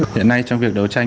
hiện nay trong việc đấu tranh